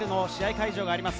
会場があります。